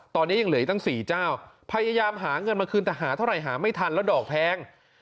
ตอนนี้ยังเหลืออีกตั้ง๔เจ้าพยายามหาเงินมาคืนแต่หาเท่าไหร่หาไม่ทันแล้วดอกแพง